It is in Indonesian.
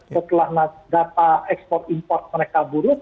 setelah data ekspor import mereka buruk